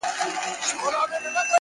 اراده د لارې خنډونه کوچني کوي.